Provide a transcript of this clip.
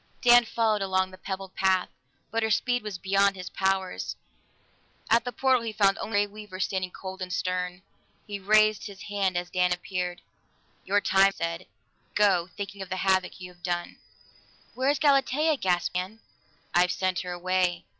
Dan followed along the pebbled path, but her speed was beyond his powers; at the portal he found only the Grey Weaver standing cold and stern. He raised his hand as Dan appeared. "Your time is short," he said. "Go, thinking of the havoc you have done." "Where's Galatea?" gasped Dan. "I have sent her away."